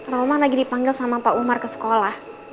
roma lagi dipanggil sama pak umar ke sekolah